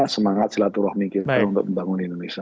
semangat silaturahmi kita untuk membangun indonesia